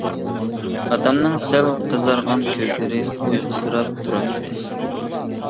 ئاتامنىڭ سەل قىزارغان كۆزلىرى ئۇيقۇسىراپ تۇراتتى.